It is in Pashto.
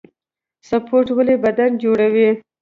سپورټ ولې بدن جوړوي؟